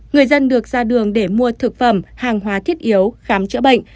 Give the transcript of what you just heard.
người dân được ra đường để mua thực phẩm hàng hóa thiết yếu khám chữa bệnh